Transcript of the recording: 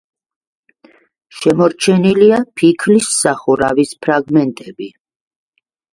შემორჩენილია ფიქლის სახურავის ფრაგმენტები.